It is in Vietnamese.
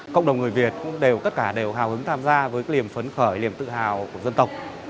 cộng đồng người việt tất cả đều hào hứng tham gia với niềm phấn khởi niềm tự hào của dân tộc